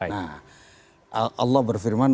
nah allah berfirman